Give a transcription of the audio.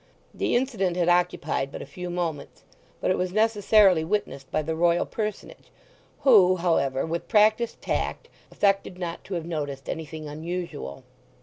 The incident had occupied but a few moments, but it was necessarily witnessed by the Royal Personage, who, however, with practised tact affected not to have noticed anything unusual.